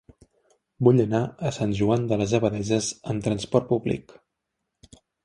Vull anar a Sant Joan de les Abadesses amb trasport públic.